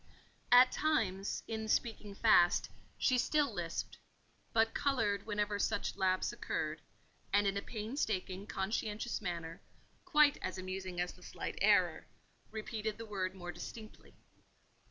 At times, in speaking fast, she still lisped; but coloured whenever such lapse occurred, and in a painstaking, conscientious manner, quite as amusing as the slight error, repeated the word more distinctly.